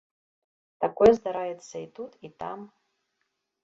Такое здараецца і тут, і там.